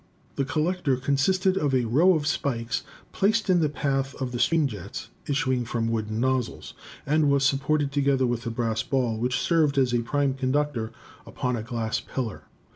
The collector consisted of a row of spikes, placed in the path of the steam jets issuing from wooden nozzles, and was supported, together with a brass ball which served as prime conductor, upon a glass pillar."